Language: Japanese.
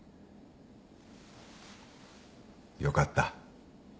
よかった。